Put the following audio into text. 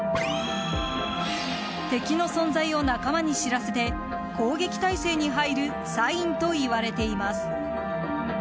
敵の存在を仲間に知らせて攻撃態勢に入るサインといわれています。